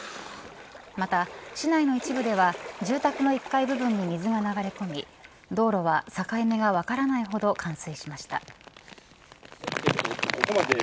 また、市内の一部では住宅の１階部分に水が流れ込み道路は境目が分からないほど冠水しました。